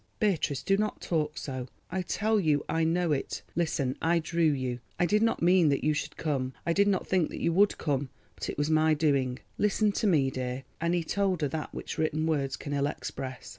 "Beatrice, do not talk so. I tell you I know it. Listen—I drew you. I did not mean that you should come. I did not think that you would come, but it was my doing. Listen to me, dear," and he told her that which written words can ill express.